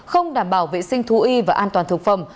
không đảm bảo vệ sinh thú y và an toàn thực phẩm